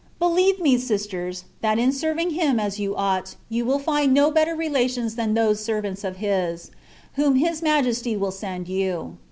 * Believe me, sisters, that in serving Him as you ought, you will find no better relations than those servants of His, whom His Majesty will send you.